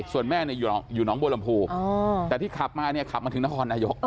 ส่วนแม่อยู่น้องบูรมภูมิแต่ที่ขับมาขับมาถึงน้องธรรมนายก